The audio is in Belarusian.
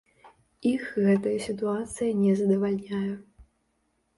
Іх гэтая сітуацыя не задавальняе.